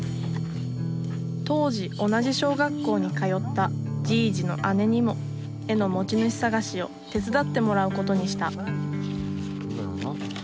当時同じ小学校に通ったじいじの姉にも絵の持ち主捜しを手伝ってもらうことにした